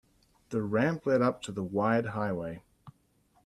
The ramp led up to the wide highway.